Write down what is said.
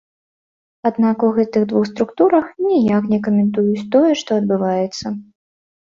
Аднак у гэтых двух структурах ніяк не каментуюць тое, што адбываецца.